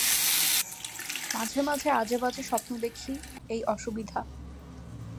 মাঝে মাঝে আজেবাজে স্বপ্ন দেখি, এই অসুবিধা।